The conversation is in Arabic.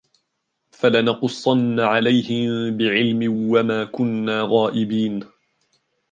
فَلَنَقُصَّنَّ عَلَيْهِمْ بِعِلْمٍ وَمَا كُنَّا غَائِبِينَ